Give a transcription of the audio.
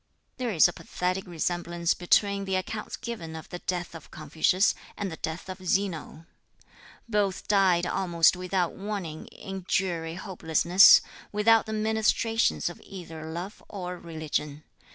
There is a pathetic resemblance between the accounts given of the death of Confucius and the death of Zeno. Both died almost without warning in dreary hopelessness, without the ministrations of either love or religion.